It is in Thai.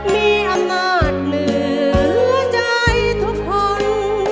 มีอำนาจเหนือหัวใจทุกคน